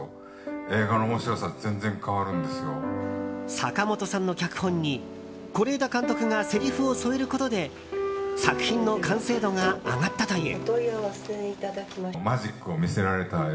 坂元さんの脚本に是枝監督がせりふを添えることで作品の完成度が上がったという。